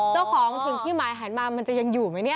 เจ้าของถึงที่หมายหันมามันจะยังอยู่ไหมเนี่ย